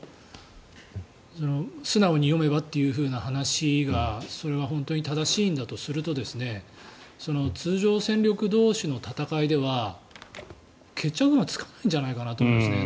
素直に読めばという話がそれは本当に正しいんだとすると通常戦力同士の戦いでは決着がつかないんじゃないかと思いますね。